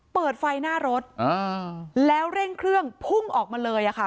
เปิดไฟหน้ารถแล้วเร่งเครื่องพุ่งออกมาเลยอะค่ะ